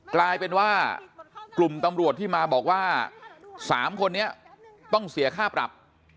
กลายเป็นว่ากลุ่มตำรวจที่มาบอกว่า๓คนนี้ต้องเสียค่าปรับ